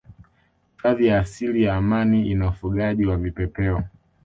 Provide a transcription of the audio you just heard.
Hifadhi ya asili ya Amani ina ufugaji wa Vipepeo